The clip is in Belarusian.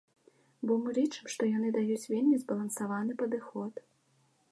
Бо мы лічым, што яны даюць вельмі збалансаваны падыход.